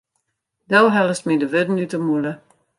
Do hellest my de wurden út de mûle.